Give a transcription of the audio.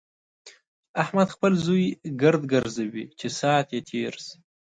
احمد خپل زوی ګرد ګرځوي چې ساعت يې تېر شي.